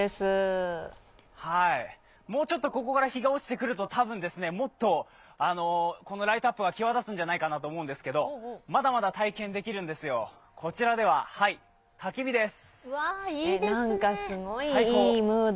もうちょっとここから日が落ちてくるとたぶんもっと、このライトアップが際立つんじゃないかと思うんですけれども、まだまだ体験できるんですよ、こちらでは、たき火です。